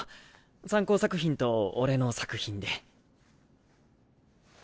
参考作品と俺の作品で。